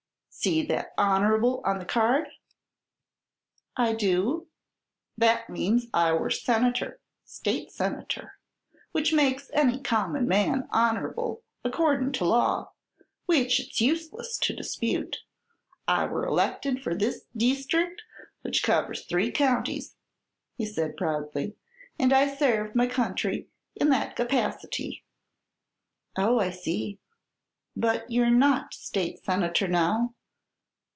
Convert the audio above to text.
"See that 'Honer'ble' on the card?" "I do." "That means I were senator state senator which makes any common man honer'ble, accordin' to law, which it's useless to dispute. I were elected fer this deestric', which covers three counties," he said proudly, "an' I served my country in that capacity." "Oh, I see. But you're not state senator now?"